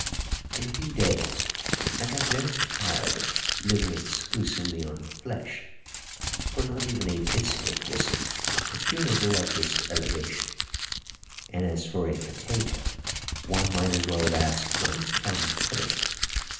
In a few days I got very tired of living exclusively on flesh, for not even a biscuit was "procurable at this elevation"; and as for a potato, one might as well have asked for a plum pudding.